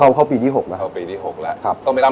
ต้องไปร่ำเรียนที่ไหนมาเนี่ย